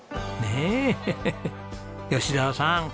吉沢さん